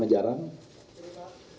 terima kasih pak